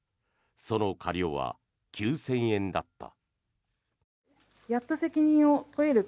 その科料は９０００円だった。